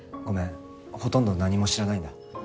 ごめんほとんど何も知らないんだ。